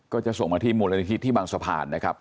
ก็จะส่งมาที่มูลนิธิที่บางสะพานนะครับ